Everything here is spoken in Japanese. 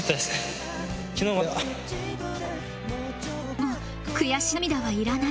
もう悔し涙はいらない。